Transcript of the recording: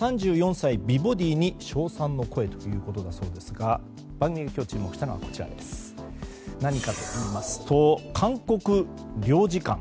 ３４歳美ボディーに称賛の声ということだそうですが番組で今日、注目したのは何かといいますと韓国領事館。